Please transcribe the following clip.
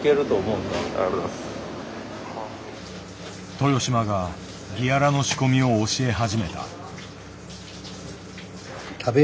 豊島がギアラの仕込みを教え始めた。